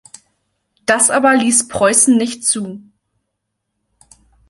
Das aber ließ Preußen nicht zu.